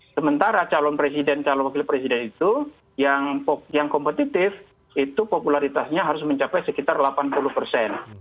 sementara calon presiden calon wakil presiden itu yang kompetitif itu popularitasnya harus mencapai sekitar delapan puluh persen